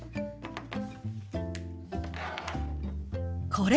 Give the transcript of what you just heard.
これ。